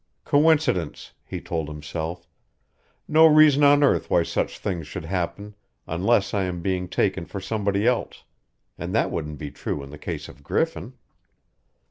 "Coincidence," he told himself. "No reason on earth why such things should happen unless I am being taken for somebody else and that wouldn't be true in the case of Griffin."